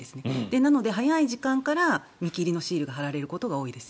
なので、早い時間から見切りのシールが貼られることが多いです。